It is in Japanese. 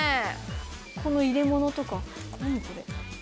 この入れ物とか、何これ。